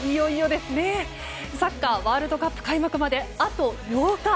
サッカーワールドカップ開幕まであと８日。